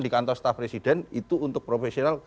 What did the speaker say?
di kantor staff presiden itu untuk profesional